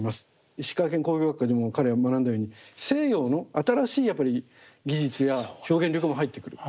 石川県工業学校でも彼が学んだように西洋の新しいやっぱり技術や表現力も入ってくる。